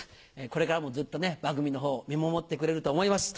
これからもずっとね、番組のほうを見守ってくれると思います。